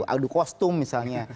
adu kostum misalnya